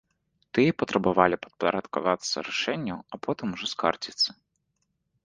Тыя патрабавалі падпарадкавацца рашэнню, а потым ужо скардзіцца.